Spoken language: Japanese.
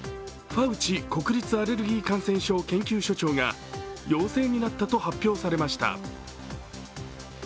ファウチ国立アレルギー感染症研究所長が陽性になったと発表されました。